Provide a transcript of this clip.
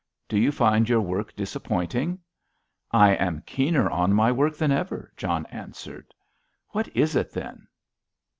"Do you find your work disappointing?" "I am keener on my work than ever," John answered. "What is it, then?"